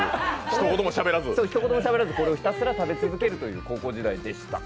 一言もしゃべらず、ひたすらこれを食べ続けるという高校時代でした。